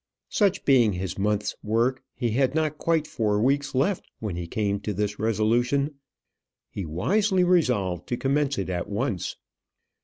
Such being his month's work he had not quite four weeks left when he came to this resolution he wisely resolved to commence it at once.